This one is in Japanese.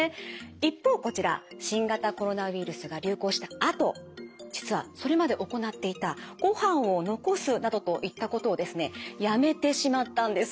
一方こちら新型コロナウイルスが流行したあと実はそれまで行っていたご飯を残すなどといったことをですねやめてしまったんです。